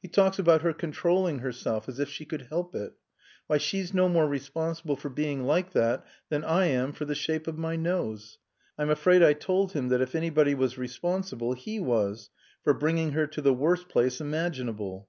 He talks about her controlling herself, as if she could help it. Why, she's no more responsible for being like that than I am for the shape of my nose. I'm afraid I told him that if anybody was responsible he was, for bringing her to the worst place imaginable."